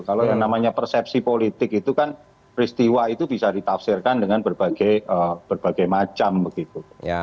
kalau yang namanya persepsi politik itu kan peristiwa itu bisa ditafsirkan dengan berbagai macam begitu